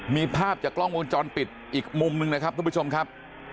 มีภาพจากกล้องวงจรปิดอีกมุมหนึ่งนะครับทุกผู้ชมครับ